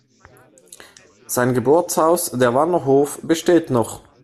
Sein Geburtshaus, der Wanner Hof besteht noch.